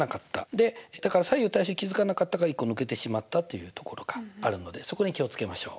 でだから左右対称に気付かなかったから１個抜けてしまったというところがあるのでそこに気を付けましょう。